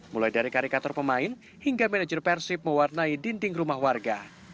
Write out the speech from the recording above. mulai dari karikator pemain hingga manajer persib mewarnai dinding rumah warga